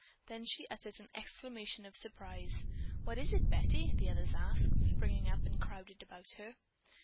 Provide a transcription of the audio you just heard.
Then she uttered an exclamation of surprise. "What is it, Betty?" the others asked, springing up and crowding about her.